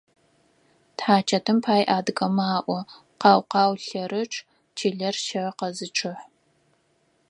Тхьачэтым пай адыгэмэ alo: «Къау-къау лъэрычъ, чылэр щэ къэзычъыхь».